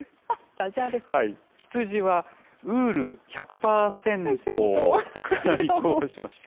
羊は、ウール１００パーセン党から立候補しました。